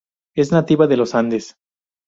Es nativa de los Andes.